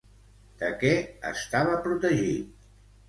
De què estava protegit?